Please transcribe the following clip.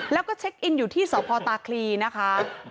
แล้วก็เช็คอินอยู่ที่สพตาคลีนะคะ